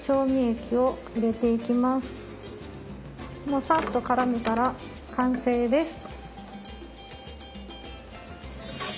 もうさっとからめたら完成です。